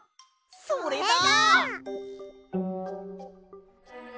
それだ！